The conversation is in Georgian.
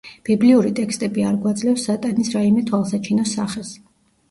ბიბლიური ტექსტები არ გვაძლევს სატანის რაიმე თვალსაჩინო სახეს.